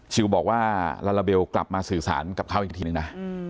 บอกว่าลาลาเบลกลับมาสื่อสารกับเขาอีกทีนึงนะ